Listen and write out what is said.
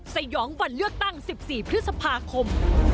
สยองวันเลือกตั้ง๑๔พฤษภาคม